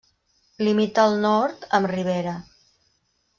Limita al nord amb Rivera.